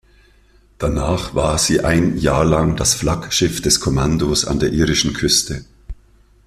Danach war sie ein Jahr lang das Flaggschiff des Kommandos an der irischen Küste.